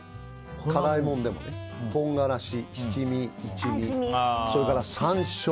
辛いものでも唐辛子七味、一味、それから山椒。